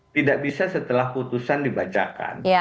tidak bisa setelah putusan dibacakan